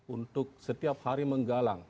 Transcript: untuk setiap hari menggalang